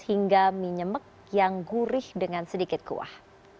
hingga mie nyemek yang gurih dengan sedikit kuah